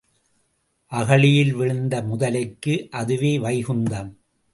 அகழியில் விழுந்த முதலைக்கு அதுவே வைகுந்தம்.